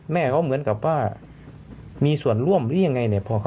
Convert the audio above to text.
แม่เขาเหมือนกับว่ามีส่วนร่วมหรือยังไงเนี่ย